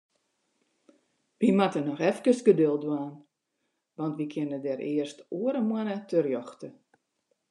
Wy moatte noch eefkes geduld dwaan, want we kinne dêr earst oare moanne terjochte.